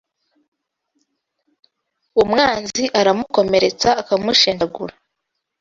umwanzi aramukomeretsa, akamushenjagura;